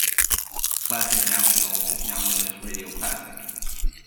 Klasik Nasional is now known as Radio Klasik.